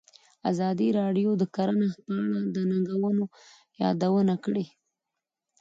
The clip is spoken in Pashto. ازادي راډیو د کرهنه په اړه د ننګونو یادونه کړې.